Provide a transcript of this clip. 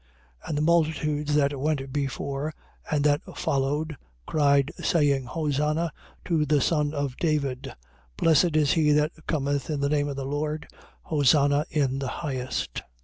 21:9. And the multitudes that went before and that followed cried, saying: Hosanna to the son of David: Blessed is he that cometh in the name of the Lord: Hosanna in the highest.